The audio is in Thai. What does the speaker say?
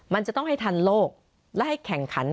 มันจะต้องให้ทันโลกและให้แข่งขัน